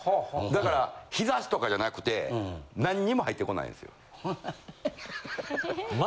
だから日差しとかじゃなくて何にも入ってこないんですよ。